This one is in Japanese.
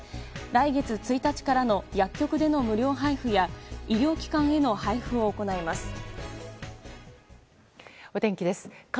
来月１日からの薬局での無料配布や医療機関への配布を行います。